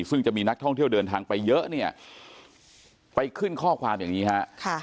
ซึ่งจะมีนักท่องเที่ยวเดินทางไปเยอะเนี่ยไปขึ้นข้อความอย่างนี้ฮะ